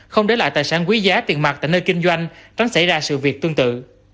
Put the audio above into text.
không để lại tài sản quý giá tiền mặt tại nơi kinh doanh tránh xảy ra sự việc tương tự